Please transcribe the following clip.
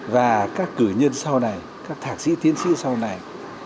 và các cử nhân sau này các thạc sĩ tiến sĩ sau này